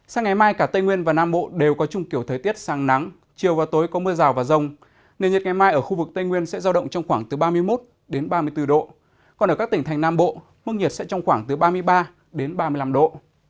sáng ngày mai cả tây nguyên và nam bộ đều có chung kiểu thời tiết sáng nắng chiều và tối có mưa rào và rông nền nhiệt ngày mai ở khu vực tây nguyên sẽ giao động trong khoảng từ ba mươi một ba mươi bốn độ còn ở các tỉnh thành nam bộ mức nhiệt sẽ trong khoảng từ ba mươi ba đến ba mươi năm độ